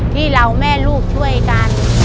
ที่เราแม่ลูกช่วยกัน